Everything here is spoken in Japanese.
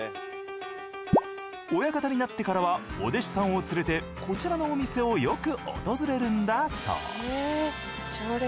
親方になってからはお弟子さんを連れてこちらのお店をよく訪れるんだそう。